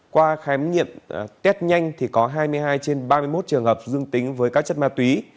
qua khám nghiệm test nhanh thì có hai mươi hai trên ba mươi một trường hợp dương tính với các chất ma túy